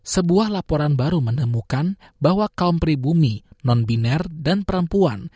sebuah laporan baru menemukan bahwa kaum pribumi non biner dan perempuan